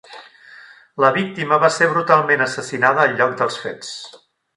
La víctima va ser brutalment assassinada al lloc dels fets.